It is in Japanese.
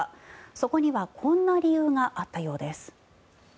そこにはこんな理由があったようです。